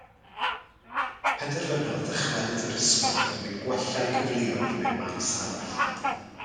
Penderfynodd ddychwelyd i'r ysgol er mwyn gwella ei gyfleoedd mewn maes arall.